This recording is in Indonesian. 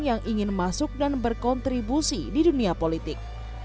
yang ingin masuk dan berkontribusi di dunia politik